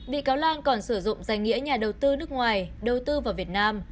bị cáo lan còn sử dụng danh nghĩa nhà đầu tư nước ngoài đầu tư vào việt nam